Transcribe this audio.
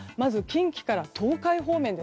近畿から東海方面